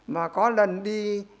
mà có lần đi